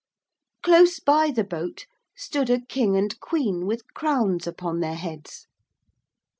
Close by the boat stood a King and Queen with crowns upon their heads.